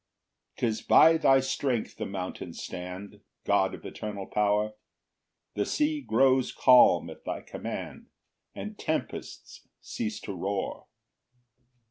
1 'Tis by thy strength the mountains stand, God of eternal power; The sea grows calm at thy command, And tempests cease to roar.